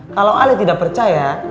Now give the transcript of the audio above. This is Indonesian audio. kalo al tidak percaya